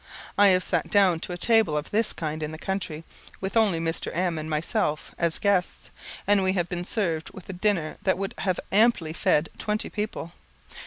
I have sat down to a table of this kind in the country, with only Mr. M. and myself as guests, and we have been served with a dinner that would have amply fed twenty people.